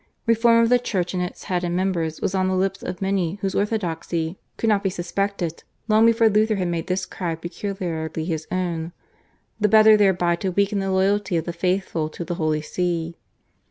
Reform of the Church in its Head and members was on the lips of many whose orthodoxy could not be suspected long before Luther had made this cry peculiarly his own, the better thereby to weaken the loyalty of the faithful to the Holy See.